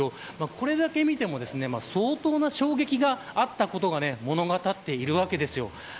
これだけ見ても相当な衝撃があったことが物語っているわけです。